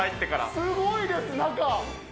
すごいです、中。